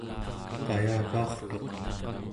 qayagaurtuq